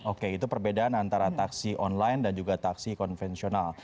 oke itu perbedaan antara taksi online dan juga taksi konvensional